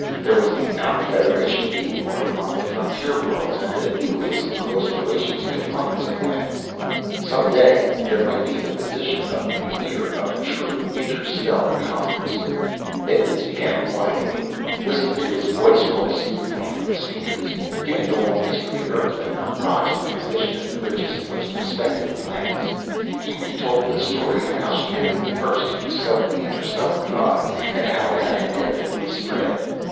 There was the Outer Federation being formed among the frontier worlds and the nucleus of close relations with hundreds of planets. Some day there might be the position of premier of a true Interstellar Congress! Edmonds began quietly, listening to his voice roll smoothly from the speakers, giving the long history of Earth and her rise to a position as the richest and most respected of planets. He retold the story of how she had been the first to discover the interstellar drive, and how it had inevitably spread.